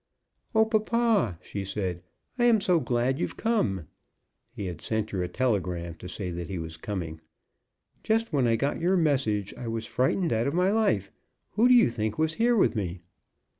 "Oh, papa," she said, "I am so glad you've come!" He had sent her a telegram to say that he was coming. "Just when I got your message I was frightened out of my life. Who do you think was here with me?"